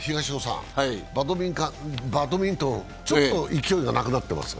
バドミントン、ちょっと勢いがなくなってますか？